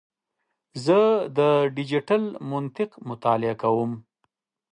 زه د ډیجیټل منطق مطالعه کوم.